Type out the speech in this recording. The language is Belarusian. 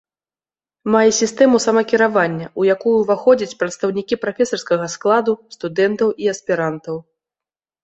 Мае сістэму самакіравання, у якую ўваходзяць прадстаўнікі прафесарскага складу, студэнтаў і аспірантаў.